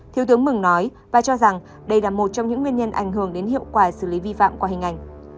thiếu tướng mừng nói và cho rằng đây là một trong những nguyên nhân ảnh hưởng đến hiệu quả xử lý vi phạm qua hình ảnh